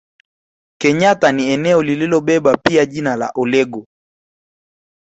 Kenyatta ni eneo lililobeba pia jina la Olwego